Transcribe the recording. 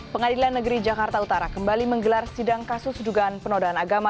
pengadilan negeri jakarta utara kembali menggelar sidang kasus dugaan penodaan agama